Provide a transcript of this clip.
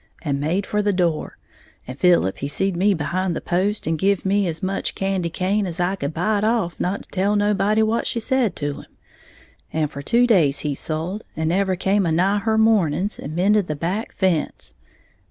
and made for the door. And Philip he seed me behind the post and give me as much candy cane as I could bite off not to tell nobody what she said to him. And for two days he sulled, and never come anigh her mornings, and mended the back fence.